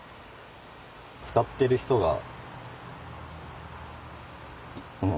使ってる人がうん